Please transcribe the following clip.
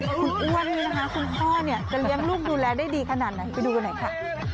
คุณอ้วนนี่นะคะคุณพ่อเนี่ยจะเลี้ยงลูกดูแลได้ดีขนาดไหนไปดูกันหน่อยค่ะ